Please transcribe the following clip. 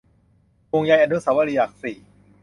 ห่วงใยอนุสาวรีย์หลักสี่